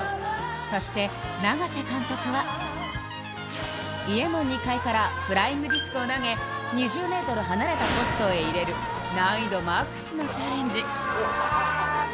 そして、永瀬監督は、家の２階からフライングディスクを投げ、２０メートル離れたポストへ入れる、難易度マックスのチャレンジ。